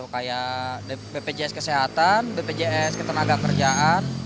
kayak bpjs kesehatan bpjs ketenagakerjaan